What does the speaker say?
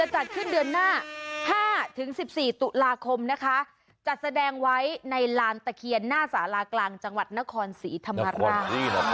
จัดขึ้นเดือนหน้า๕๑๔ตุลาคมนะคะจัดแสดงไว้ในลานตะเคียนหน้าสารากลางจังหวัดนครศรีธรรมราช